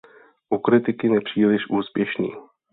U kritiky nepříliš úspěšný.